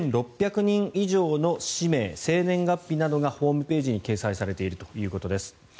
１６００人以上の氏名、生年月日などがホームページに掲載されているということです。